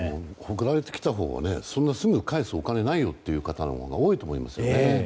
送られてきたほうはそんなすぐに返すお金はないよという方が多いと思いますよね。